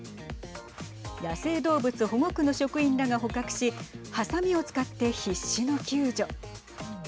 野生動物保護区の職員らが捕獲しはさみを使って必死の救助。